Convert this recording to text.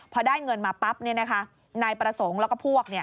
พอได้เงินมาปั๊บนายประสงค์แล้วก็พวก